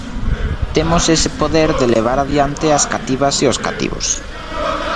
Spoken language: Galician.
Temos ese poder de levar adiante as cativas e os cativos.